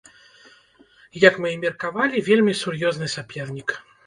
Як мы і меркавалі, вельмі сур'ёзны сапернік.